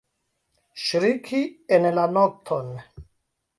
Ŝriki en la nokton!